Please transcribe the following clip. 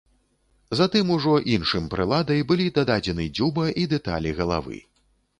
Затым ужо іншым прыладай былі дададзены дзюба і дэталі галавы.